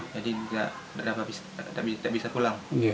jadi tidak bisa pulang